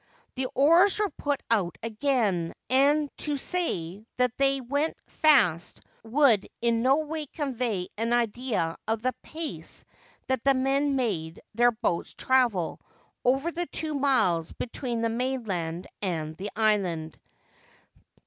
The oars were put out again, and to say that they went fast would in no way convey an idea of the pace that the men made their boats travel over the two miles between the mainland and the island.